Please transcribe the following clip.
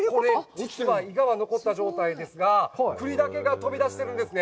実はイガは残った状態ですが、栗だけが飛び出しているんですね。